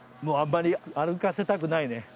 もうあんまり歩かせたくないね